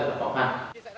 nó lại là bỏ hoang